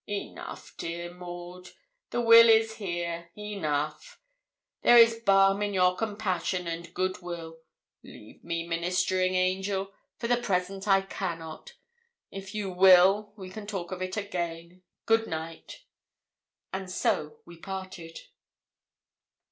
'Enough, dear Maud; the will is here enough: there is balm in your compassion and good will. Leave me, ministering angel; for the present I cannot. If you will, we can talk of it again. Good night.' And so we parted.